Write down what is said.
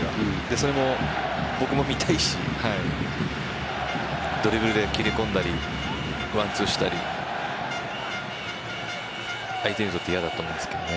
それも僕も見たいしドリブルで切り込んだりワンツーしたり相手にとって嫌だと思うんですけどね。